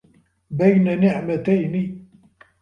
بَيْنَ نِعْمَتَيْنِ